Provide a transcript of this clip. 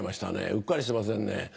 うっかりしてられませんね。